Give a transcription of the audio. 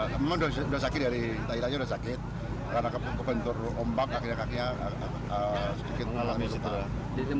karena kebentur ombak kakinya kakinya sedikit malam